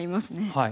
はい。